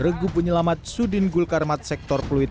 regu penyelamat sudin gulkarmat sektor pluit